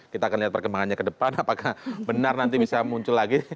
kita akan lihat perkembangannya ke depan apakah benar nanti bisa muncul lagi